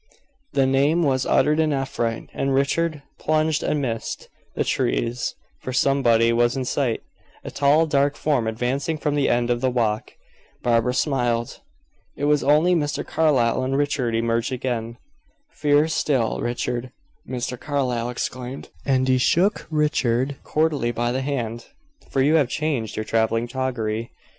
The name was uttered in affright, and Richard plunged amidst the trees, for somebody was in sight a tall, dark form advancing from the end of the walk. Barbara smiled. It was only Mr. Carlyle, and Richard emerged again. "Fears still, Richard," Mr. Carlyle exclaimed, as he shook Richard cordially by the hand. "So you have changed your travelling toggery."